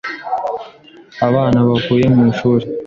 Abana bavuye mu ishuri.